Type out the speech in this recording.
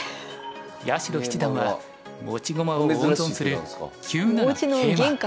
八代七段は持ち駒を温存する９七桂馬。